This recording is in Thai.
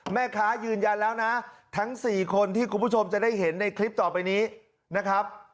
ยืนยันแล้วนะทั้ง๔คนที่คุณผู้ชมจะได้เห็นในคลิปต่อไปนี้นะครับ